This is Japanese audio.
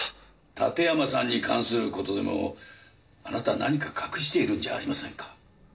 館山さんに関する事でもあなた何か隠しているんじゃありませんか？